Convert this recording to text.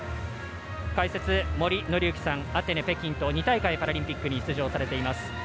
解説、森紀之さんアテネ、北京と２大会パラリンピックに出場されています。